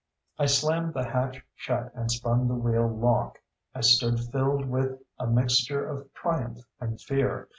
_" I slammed the hatch shut and spun the wheel lock. I stood filled with a mixture of triumph and fear.